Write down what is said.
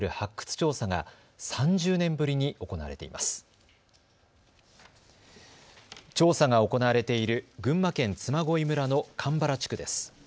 調査が行われている群馬県嬬恋村の鎌原地区です。